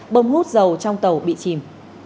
bơm hút dầu trong tàu bị chìm